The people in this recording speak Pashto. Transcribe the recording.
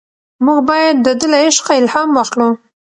موږ باید د ده له عشقه الهام واخلو.